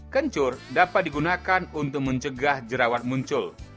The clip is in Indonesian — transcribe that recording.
kencur dapat digunakan untuk mencegah jerawat muncul